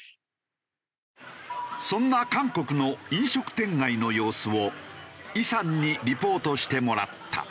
そんな韓国の飲食店街の様子をイさんにリポートしてもらった。